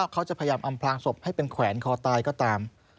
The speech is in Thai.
เขาจะพยายามอำพลางศพให้เป็นแขวนคอตายก็ตาม